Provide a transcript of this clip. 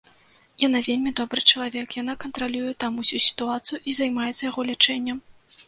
Яна вельмі добры чалавек, яна кантралюе там усю сітуацыю і займаецца яго лячэннем.